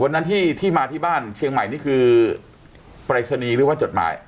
วันนั้นที่มาที่บ้านเชียงใหม่นี่คือปรายศนีย์หรือว่าจดหมาย